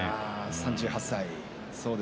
３８歳。